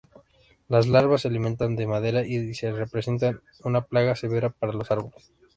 Las larvas se alimentan de madera y representan una plaga severa para los árboles.